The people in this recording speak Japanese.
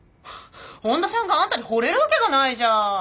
本田さんがあんたにほれるわけがないじゃん。